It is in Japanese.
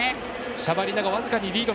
シャバリナが僅かにリード。